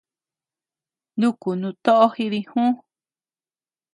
Nuku nut toʼo jidijü.